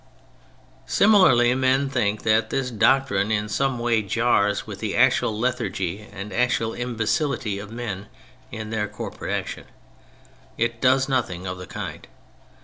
Similarly, men think that this doctrine in some way jars with the actual lethargy and actual imbecility of men in their corporate action. It does nothing of the kind.